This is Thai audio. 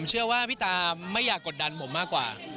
เชื่อว่าพี่ตาไม่อยากกดดันผมมากกว่า